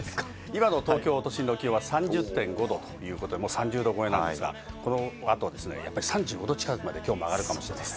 今の東京都心の気温は３０．５度ということでもう３０度ごえなんですが、この後ですね、３５度近くまで、きょうも上がるかもしれないで。